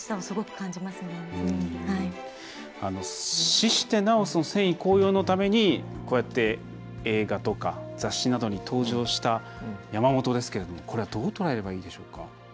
死してなお戦意高揚のためにこうやって映画とか雑誌などに登場した山本ですけれどもこれはどう捉えればいいでしょうか。